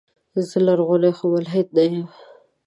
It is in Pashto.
زه لرغون خو ملحد نه يم.